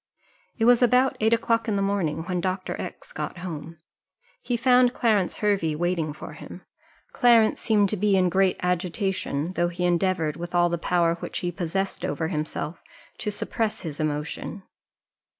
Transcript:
It was about eight o'clock in the morning when Dr. X got home; he found Clarence Hervey waiting for him. Clarence seemed to be in great agitation, though he endeavoured, with all the power which he possessed over himself, to suppress his emotion.